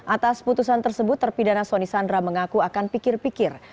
atas putusan tersebut terpidana soni sandra mengaku akan pikir pikir